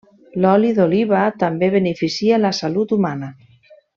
L'oli d'oliva també beneficia la salut humana.